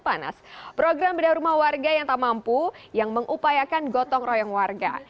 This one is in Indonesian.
panas program bedah rumah warga yang tak mampu yang mengupayakan gotong royong warga